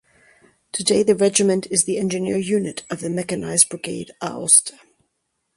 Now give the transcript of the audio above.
Today the regiment is the engineer unit of the Mechanized Brigade "Aosta".